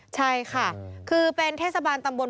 ใช่ค่ะคือเป็นเทศบาลตำบล